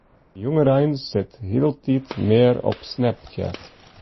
De jongerein sit hieltyd mear op Snapchat.